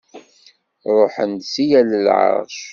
Ṛuḥen-d si yal lɛeṛc.